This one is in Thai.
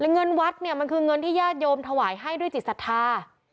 เงินวัดเนี่ยมันคือเงินที่ญาติโยมถวายให้ด้วยจิตศรัทธา